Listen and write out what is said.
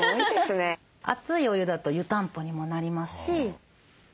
熱いお湯だと湯たんぽにもなりますし。